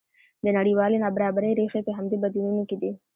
د نړیوالې نابرابرۍ ریښې په همدې بدلونونو کې دي.